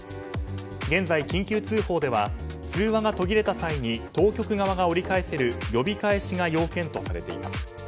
現在、緊急通報では通話が途切れた際に当局側が呼び返せる呼び返しが要件とされています。